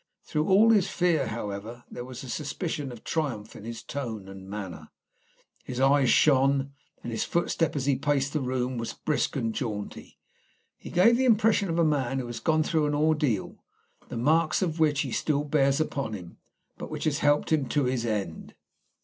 Through all his fear, however, there was a suspicion of triumph in his tone and manner. His eye shone, and his footstep, as he paced the room, was brisk and jaunty. He gave the impression of a man who has gone through an ordeal, the marks of which he still bears upon him, but which has helped him to his end.